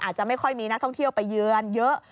อาจจะไม่ค่อยมีนักท่องเที่ยวไปเยือนเยอะ